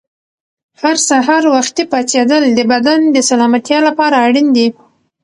هر سهار وختي پاڅېدل د بدن د سلامتیا لپاره اړین دي.